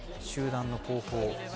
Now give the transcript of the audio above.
集団の後方。